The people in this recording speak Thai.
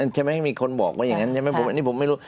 ใช่ไหมมีคนบอกว่าอย่างนั้นอันนี้ผมไม่รู้